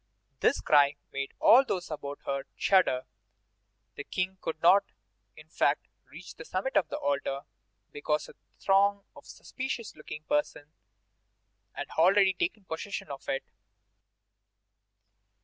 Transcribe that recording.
This cry made all those about her shudder. The King could not, in fact, reach the summit of the altar, because a throng of suspicious looking persons had already taken possession of it.